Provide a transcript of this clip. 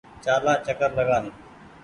چآلآن چڪر لگآن ۔